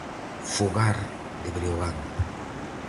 Fogar de Breogán.